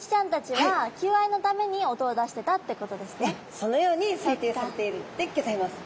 そのように推定されているんでギョざいます。